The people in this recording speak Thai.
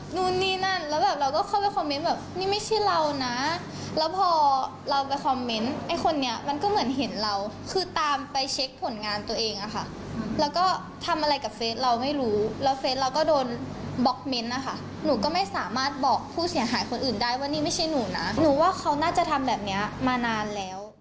หนูว่าเขาน่าจะทำแบบนี้มานานแล้ว